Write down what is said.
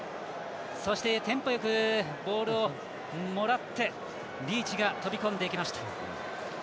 そしてテンポよくボールをもらってリーチが飛び込んでいきました。